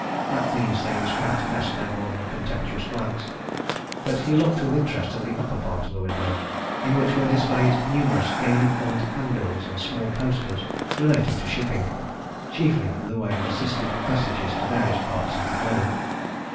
At these things Pratt cast no more than a contemptuous glance. But he looked with interest at the upper part of the window, in which were displayed numerous gaily coloured handbills and small posters relating to shipping chiefly in the way of assisted passages to various parts of the globe.